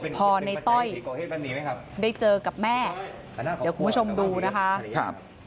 พอในต้อยได้เจอกับแม่เดี๋ยวคุณผู้ชมดูนะคะ